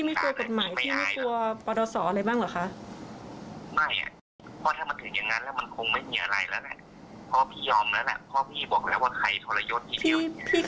ไม่มีพี่ไม่อยู่ในวงการนี้หรอก